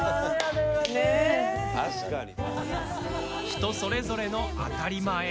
人それぞれの当たり前。